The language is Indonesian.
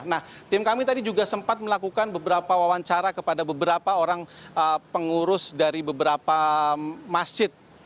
nah tim kami tadi juga sempat melakukan beberapa wawancara kepada beberapa orang pengurus dari beberapa masjid